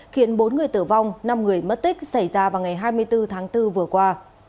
khiến bốn người tử vong năm người mất tích xảy ra vào ngày hai mươi bốn tháng bốn vừa qua